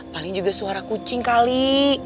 paling juga suara kucing kali